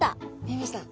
見えました？